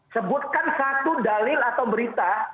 sebutkan satu dalil atau berita